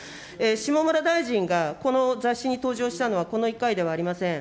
下村大臣が、この雑誌に登場したのは、この１回ではありません。